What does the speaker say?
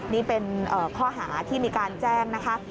นี่เป็นข้อหาที่มีการแจ้งนะคะ